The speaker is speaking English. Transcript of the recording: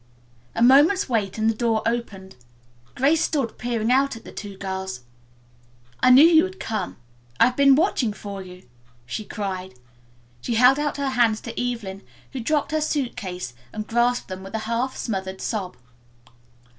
A moment's wait and the door opened. Grace stood peering out at the two girls. "I knew you'd come. I've been watching for you," she cried. She held out her hands to Evelyn, who dropped her suit case and grasped them with a half smothered sob.